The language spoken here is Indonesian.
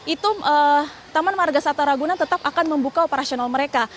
itu taman marga sata ragunan tetap akan membuka operasional mereka